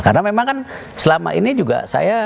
karena memang kan selama ini juga saya